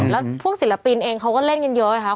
แล้วพวกศิลปินเองเขาก็เล่นกันเยอะครับ